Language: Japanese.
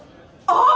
あっ！